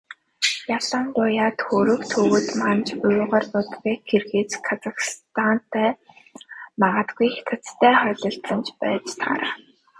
Ялангуяа Түрэг, Төвөд, Манж, Уйгар, Узбек, Киргиз, Казахтай магадгүй Хятадтай ч холилдсон байж таараа.